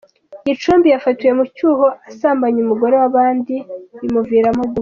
Gicumbi Yafatiwe mu cyuho asambanya umugore w’abandi bimuviramo gupfa